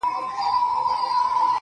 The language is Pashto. له غمه هېر يم د بلا په حافظه کي نه يم,